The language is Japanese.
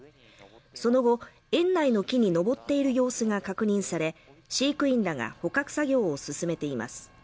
その後園内の木に登っている様子が確認され飼育員らが捕獲作業を進めています